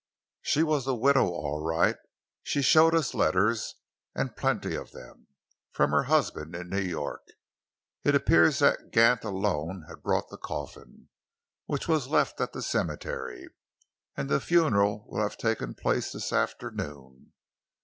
She was the widow, all right. She showed us letters, and plenty of them, from her husband in New York. It appears that Gant alone had brought the coffin, which was left at the cemetery, and the funeral will have taken place t his afternoon.